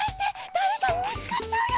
だれかにみつかっちゃうよ！